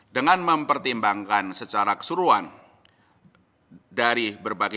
dengan mempertimbangkan secara kondisional